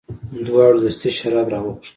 دواړو استي شراب راوغوښتل.